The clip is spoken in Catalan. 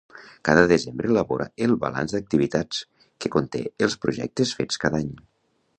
Cada desembre elabora el Balanç d'Activitats, que conté els projectes fets cada any.